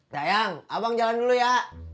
dayang abang jalan dulu ya